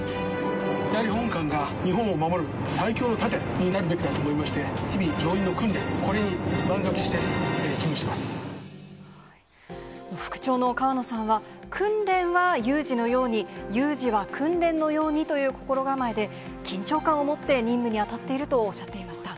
やはり本艦が日本を守る最強の盾になるべきだと思いまして、日々、乗員の訓練、これに万全を副長の河埜さんは、訓練は有事のように、有事は訓練のようにという心構えで、緊張感を持って任務に当たっているとおっしゃっていました。